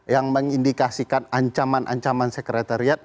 yang mengindikasikan ancaman ancaman sekretariat